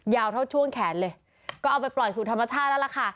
เท่าช่วงแขนเลยก็เอาไปปล่อยสู่ธรรมชาติแล้วล่ะค่ะ